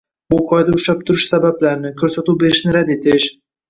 Bu qoida ushlab turish sabablarini, ko‘rsatuv berishni rad etish